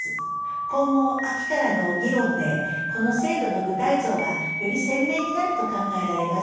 今後秋からの議論でこの制度の具体像がより鮮明になると考えられます。